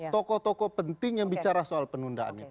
tokoh tokoh penting yang bicara soal penundaan itu